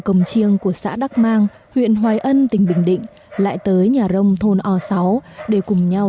cồng chiêng của xã đắc mang huyện hoài ân tỉnh bình định lại tới nhà rông thôn o sáu để cùng nhau